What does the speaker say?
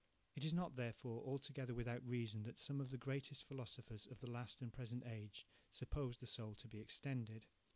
It is not, therefore, altogether without reason, that some of the greatest philosophers of the last and present age supposed the soul to be extended.